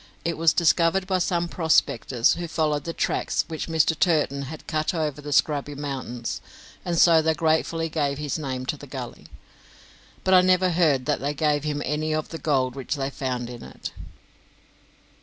It was discovered by some prospectors who followed the tracks which Mr. Turton had cut over the scrubby mountains, and so they gratefully gave his name to the gully, but I never heard that they gave him any of the gold which they found in it.